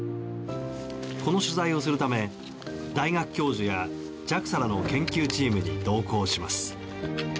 この取材をするため大学教授やＪＡＸＡらの研究チームに同行します。